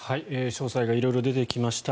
詳細が色々出てきました。